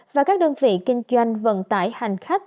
và các đơn vị kinh doanh vận tải hành khách